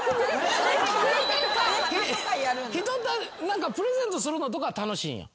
何かプレゼントするのとかは楽しいんよ。